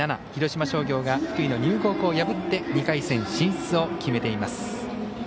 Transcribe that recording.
広島商業が福井の丹生高校を破って２回戦進出を決めています。